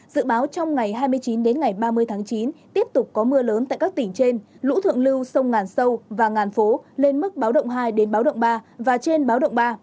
dự báo trong ngày hai mươi chín đến ngày ba mươi tháng chín tiếp tục có mưa lớn tại các tỉnh trên lũ thượng lưu sông ngàn sâu và ngàn phố lên mức báo động hai đến báo động ba và trên báo động ba